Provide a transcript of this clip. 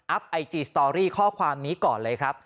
ไอจีสตอรี่ข้อความนี้ก่อนเลยครับ